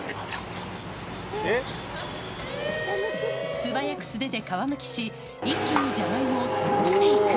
素早く素手で皮むきし、一気にジャガイモを潰していく。